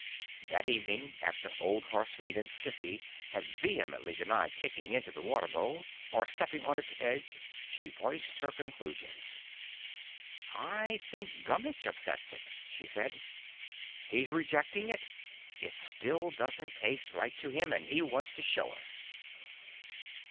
That evening, after Old Horsemeat and Sissy had vehemently denied kicking into the water bowl or stepping on its edge, she voiced her conclusions. "I think Gummitch upsets it," she said. "He's rejecting it. It still doesn't taste right to him and he wants to show us."